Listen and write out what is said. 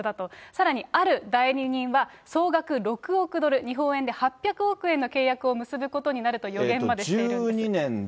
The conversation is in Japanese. さらにある代理人は、総額６億ドル、日本円で８００億円の契約を結ぶことになると予言までしているん１２年で。